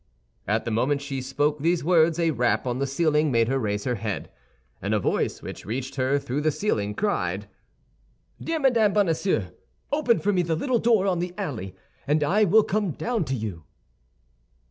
At the moment she spoke these words a rap on the ceiling made her raise her head, and a voice which reached her through the ceiling cried, "Dear Madame Bonacieux, open for me the little door on the alley, and I will come down to you."